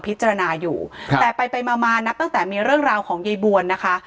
พิจารณาอยู่แต่ไปมานับตั้งแต่มีเรื่องราวของยบวนนะคะ